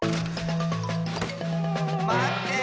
まって！